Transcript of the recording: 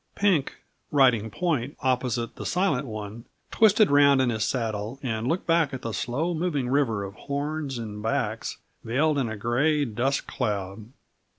Pink, riding point, opposite the Silent One, twisted round in his saddle and looked back at the slow moving river of horns and backs veiled in a gray dust cloud.